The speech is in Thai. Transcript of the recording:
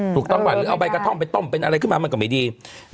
ถูกต้องป่ะหรือเอาใบกระท่อมไปต้มเป็นอะไรขึ้นมามันก็ไม่ดี